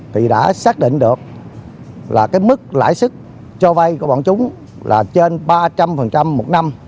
thì đã xác định được là cái mức lãi suất cho vay của bọn chúng là trên ba trăm linh một năm